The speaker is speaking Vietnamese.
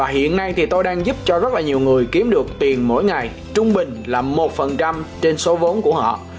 hiện nay thì tôi đang giúp cho rất là nhiều người kiếm được tiền mỗi ngày trung bình là một trên số vốn của họ